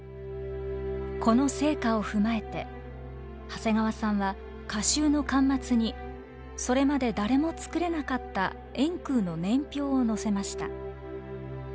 この成果を踏まえて長谷川さんは歌集の巻末にそれまで誰も作れなかった円空の年表を載せました。